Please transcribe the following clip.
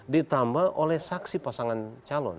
ditambah oleh saksi pasangan calon